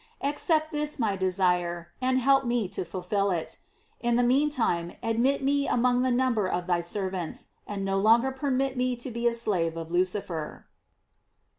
Accept this my desire, and help me to fulfil it: in the mean time admit me among the number of thy servants, and no longer permit me to be a slave of Lucifer.